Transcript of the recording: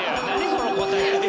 その答え。